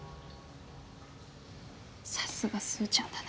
さすがスーちゃんだね。